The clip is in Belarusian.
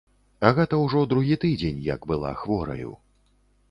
Агата ўжо другі тыдзень, як была хвораю.